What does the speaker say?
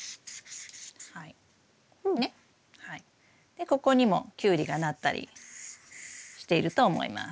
でここにもキュウリがなったりしていると思います。